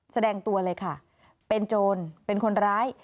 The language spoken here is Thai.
แสดงตัวเลยค่ะเป็นโจรเป็นคนร้าย